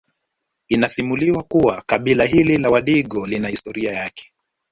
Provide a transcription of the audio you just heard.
Inasimuliwa kuwa kabila hili la Wadigo lina histroria yake